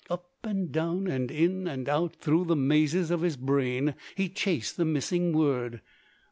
Up and down, and in and out through the mazes of his brain he chased the missing word.